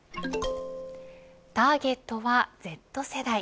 ターゲットはＺ世代。